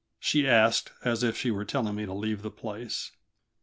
she asked, as if she were telling me to leave the place.